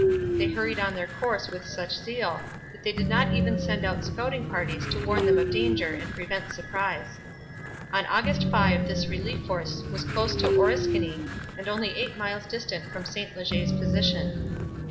They hurried on their course with such zeal that they did not even send out scouting parties to warn them of danger and prevent surprise. On August 5 this relief force was close to Oriskany, and only eight miles distant from St Leger's position.